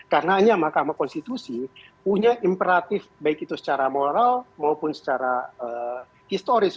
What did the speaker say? karena hanya mahkamah konstitusi punya imperatif baik itu secara moral maupun secara historis